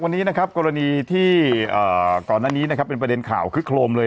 วันนี้นะครับกรณีที่ก่อนหน้านี้นะครับเป็นประเด็นข่าวคึกโครมเลย